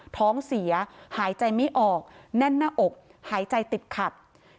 ท้องเสียหายใจไม่ออกแน่นหน้าอกหายใจติดขัด